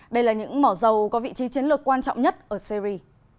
đây là những mỏ dầu có vị trí chiến lược quan trọng nhất ở syri